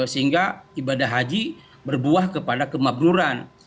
sehingga ibadah haji berbuah kepada kemabduran